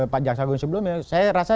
pak jaksa agung sebelumnya saya rasa